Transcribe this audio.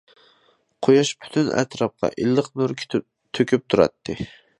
قۇياش پۈتۈن ئەتراپقا ئىللىق نۇر تۆكۈپ تۇراتتى.